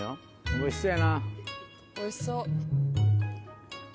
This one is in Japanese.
おいしそう。